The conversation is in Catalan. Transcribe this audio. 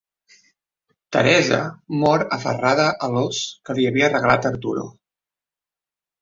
Teresa mor aferrada a l'ós que li havia regalat Arturo.